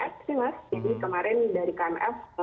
jadi kemarin dari kmf